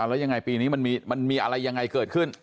แล้วยังไงปีนี้มันมีอะไรยังไงเกิดขึ้น